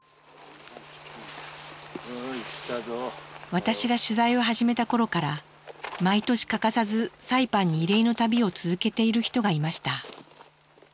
私が取材を始めた頃から毎年欠かさずサイパンに慰霊の旅を続けている人がいました。